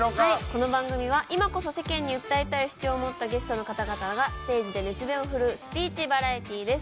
この番組は今こそ世間に訴えたい主張を持ったゲストの方々がステージで熱弁を振るうスピーチバラエティーです。